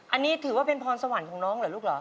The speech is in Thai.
อันนี้ถือว่าเป็นพรสวรรค์ของน้องเหรอลูกเหรอ